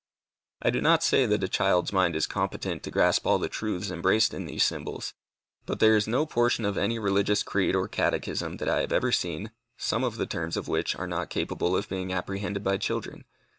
I do not say that a child's mind is competent to grasp all the truths embraced in these symbols. But there is no portion of any religious creed or catechism that I have ever seen, some of the terms of which are not capable of being apprehended by children.